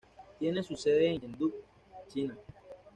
Tiene su sede en Chengdu, China.